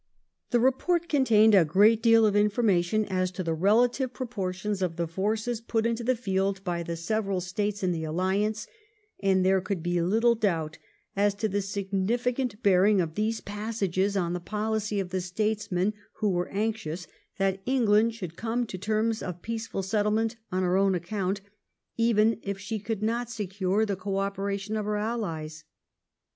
The report contained a great deal of information as to the relative proportions of the forces put into the field by the several States in the alliance, and there could be little doubt as to the significant bearing of these passages on the pohcy of the statesmen who were anxious that England should come to terms of peaceful settlement on her own account, even if she could not secure the co operation of her allies.